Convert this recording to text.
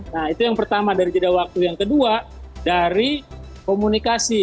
nah itu yang pertama dari jeda waktu yang kedua dari komunikasi